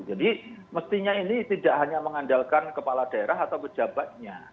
jadi mestinya ini tidak hanya mengandalkan kepala daerah atau pejabatnya